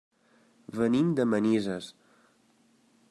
Venim de Manises.